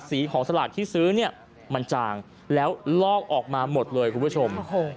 ของสลากที่ซื้อเนี่ยมันจางแล้วลอกออกมาหมดเลยคุณผู้ชม